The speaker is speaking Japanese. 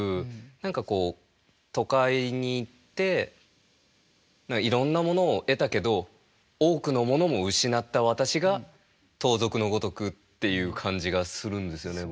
何かこう都会に行っていろんなものを得たけど多くのものも失った私が盗賊のごとくっていう感じがするんですよね